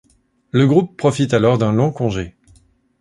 Le groupe profite alors d'un long congé.